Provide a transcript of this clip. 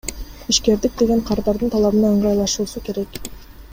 Ишкердик деген кардардын талабына ыңгайлашуусу керек.